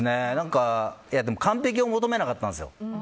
でも、完璧を求めなかったんですよ。